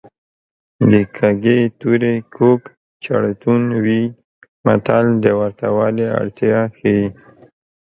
د کږې تورې کوږ چړتون وي متل د ورته والي اړتیا ښيي